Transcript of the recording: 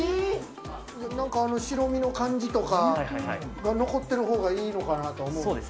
なんか白身の感じとかが残っているほうがいいのかなと思うんですが。